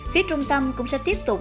phía trung tâm cũng sẽ tiếp tục